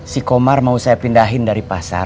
si komar mau saya pindahin dari pasar